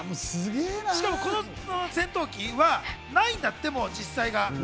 しかも、この戦闘機はないんだって、もう実際は。